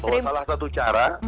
salah satu cara